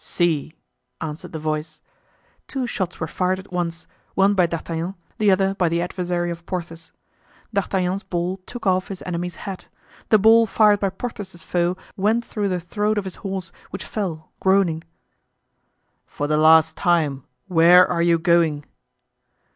"See!" answered the voice. Two shots were fired at once, one by D'Artagnan, the other by the adversary of Porthos. D'Artagnan's ball took off his enemy's hat. The ball fired by Porthos's foe went through the throat of his horse, which fell, groaning. "For the last time, where are you going?"